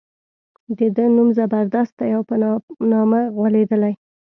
د ده نوم زبردست دی او په نامه غولېدلی.